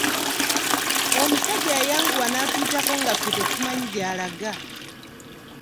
Omusajja yayanguwa n'atuyitako nga ffe tetumanyi gy'alaga.